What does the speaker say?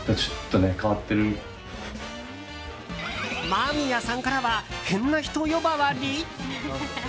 間宮さんからは変な人呼ばわり？